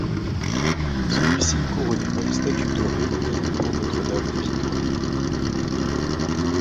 Celui-ci est couronné par une statue dorée représentant Notre-Dame des Victoires.